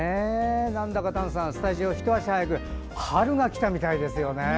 丹さん、スタジオひと足早く春が来たみたいですよね。